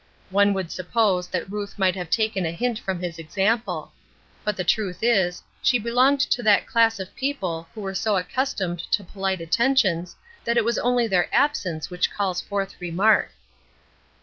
One would suppose that Ruth might have taken a hint from his example. But the truth is, she belonged to that class of people who are so accustomed to polite attentions that it is only their absence which calls forth remark.